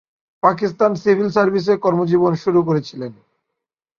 Pakistan civil সার্ভিসে কর্মজীবন শুরু করেছিলেন।